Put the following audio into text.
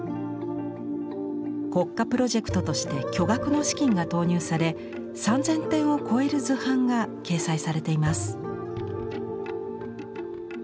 国家プロジェクトとして巨額の資金が投入され３，０００点を超える図版が掲載されています。